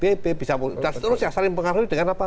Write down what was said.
si b bisa saling pengaruhi dengan apa